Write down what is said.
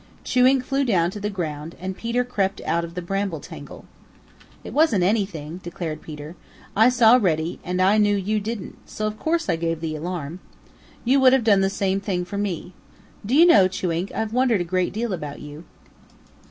Chewink flew down to the ground and Peter crept out of the bramble tangle. "It wasn't anything," declared Peter. "I saw Reddy and I knew you didn't, so of course I gave the alarm. You would have done the same thing for me. Do you know, Chewink, I've wondered a great deal about you."